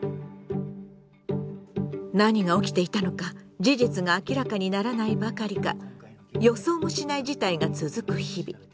何が起きていたのか事実が明らかにならないばかりか予想もしない事態が続く日々。